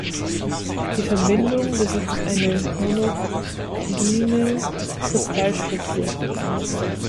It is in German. Die Verbindung besitzt eine monokline Kristallstruktur.